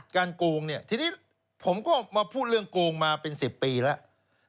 โกงเนี่ยทีนี้ผมก็มาพูดเรื่องโกงมาเป็น๑๐ปีแล้ว